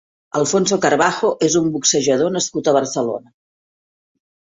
Alfonso Carbajo és un boxejador nascut a Barcelona.